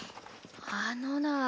あのな。